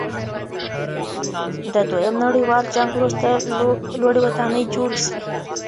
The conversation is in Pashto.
د دویم نړیوال جنګ وروسته لوړې ودانۍ جوړې سوې.